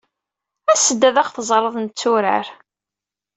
As-d ad aɣ-teẓreḍ netturar.